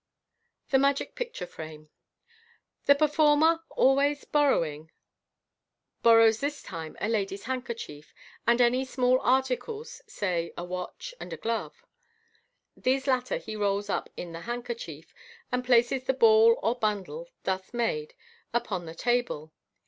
The Ma'jyg Picture Frame.— The performer, always borrow ing, borrows this time a lady's handkerchief, and any small articles — say a Watch and a glove. These latter he rolls up in the handkerchief, and places the ball or bun dle thus made upon the teble.